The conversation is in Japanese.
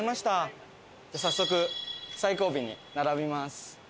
早速最後尾に並びます。